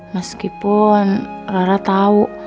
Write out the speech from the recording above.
meskipun rara tau